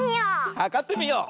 はかってみよう！